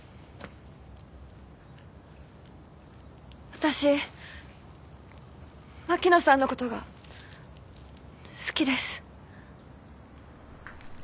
私牧野さんのことが好きです。